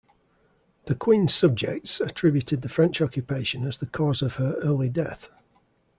The queen's subjects attributed the French occupation as the cause of her early death.